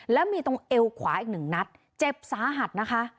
แล้วมีตรงเอวขวาอีกหนึ่งนัดเจ็บสาหัสนะคะ